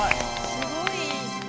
すごい。